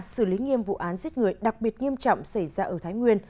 xử lý nghiêm vụ án giết người đặc biệt nghiêm trọng xảy ra ở thái nguyên